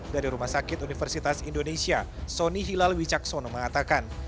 dari rumah sakit universitas indonesia sonny hilal wicaksono mengatakan